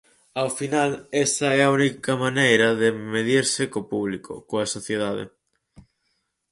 Ao final, esa é a única maneira de medirse co público, coa sociedade.